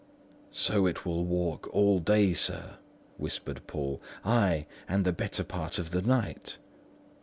"So it will walk all day, sir," whispered Poole; "ay, and the better part of the night.